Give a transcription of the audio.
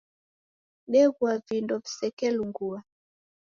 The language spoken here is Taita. Deghua vindo visekelungua